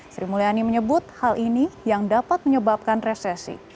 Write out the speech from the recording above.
sri mulyani menyebut hal ini yang dapat menyebabkan resesi